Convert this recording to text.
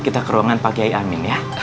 kita ke ruangan pak kiai amin ya